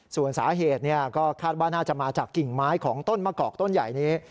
ส่วนสาเหตุก็คาดว่าน่าจะมาจากกิ่งไม้ของต้นมะกอกต้นใหญ่นี้